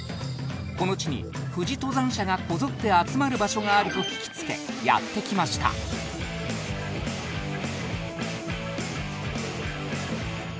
この地に富士登山者がこぞって集まる場所があると聞きつけやって来ましたえっと